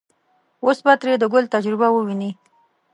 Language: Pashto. اوس به ترې د ګل تجربه وويني.